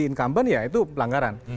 incumbent ya itu pelanggaran